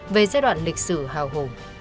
về giai đoạn lịch sử hào hủ